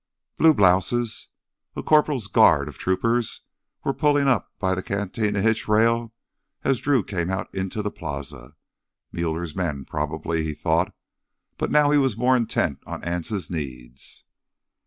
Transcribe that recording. Blue blouses—a corporal's guard of troopers—were pulling up by the cantina hitch rail as Drew came out into the plaza. Muller's men probably, he thought. But now he was more intent on Anse's needs.